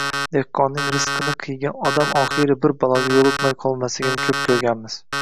Dehqonning rizqini qiygan odam oxiri bir baloga yo‘liqmay qolmasligini ko‘p ko‘rganmiz…